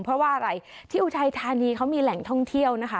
เพราะว่าอะไรที่อุทัยธานีเขามีแหล่งท่องเที่ยวนะคะ